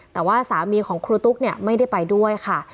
แต่ว่าสามีของครูตุ๊กไม่ได้ไปด้วยค่ะ